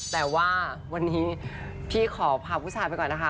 แต่ว่าวันนี้พี่ขอพาผู้ชายไปก่อนนะคะ